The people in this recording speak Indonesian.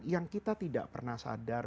yang kita tidak pernah sadar